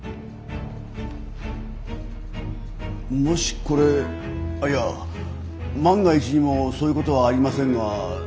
もしこれいや万が一にもそういうことはありませんがですよ